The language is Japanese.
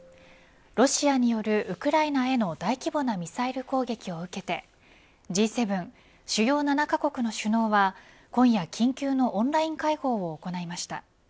ロシアによるウクライナへの大規模なミサイル攻撃を受けてＧ７主要７カ国の首脳は今夜緊急のオンライン会合を行いました。